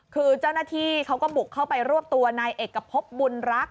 คือเจ้าหน้าที่เขาก็บุกเข้าไปรวบตัวนายเอกพบบุญรัก